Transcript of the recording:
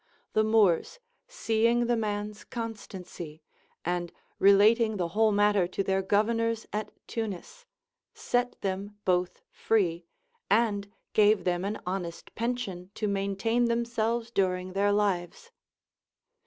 The Moors seeing the man's constancy, and relating the whole matter to their governors at Tunis, set them both free, and gave them an honest pension to maintain themselves during their lives.